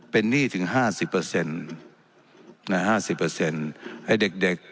เป็นหนี้ถึงห้าสิบเปอร์เซ็นต์ห้าสิบเปอร์เซ็นต์ให้เด็กเด็ก